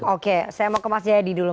oke saya mau ke mas jayadi dulu